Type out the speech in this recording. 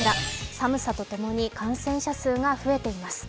寒さとともに感染者数が増えています。